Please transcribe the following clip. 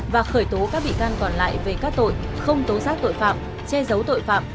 và khởi tố các bị can còn lại về các tội không tố giác tội phạm che giấu tội phạm